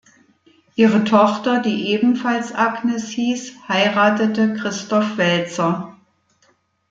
Ihre Tochter, die ebenfalls Agnes hieß, heiratete Christoph Welzer.